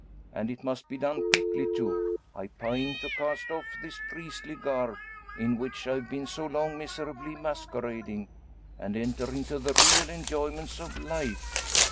And it must be done quickly, too. I pine to cast off this priestly garb in which I've been so long miserably masquerading and enter into the real enjoyments of life.